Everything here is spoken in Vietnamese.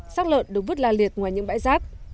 xác lợn được vứt la liệt ngoài những bãi rác